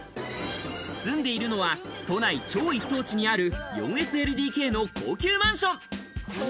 住んでいるのは都内超一等地にある４ＳＬＤＫの高級マンション